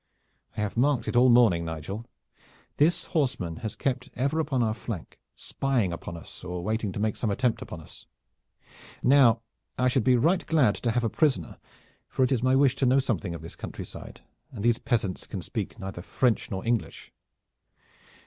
"I have marked it all morning, Nigel. This horseman has kept ever upon our flank, spying upon us or waiting to make some attempt upon us. Now I should be right glad to have a prisoner, for it is my wish to know something of this country side, and these peasants can speak neither French nor English.